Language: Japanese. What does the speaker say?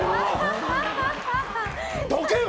どけよ！